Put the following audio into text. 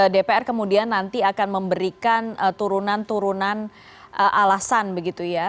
dpr kemudian nanti akan memberikan turunan turunan alasan begitu ya